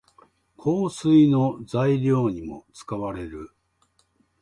香水の材料にも使われる。